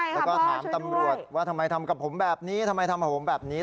แล้วก็ถามตำรวจว่าทำไมทำกับผมแบบนี้ทำไมทำกับผมแบบนี้